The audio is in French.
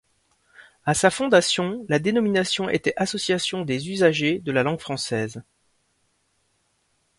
À sa fondation la dénomination était Association des usagers de la langue française.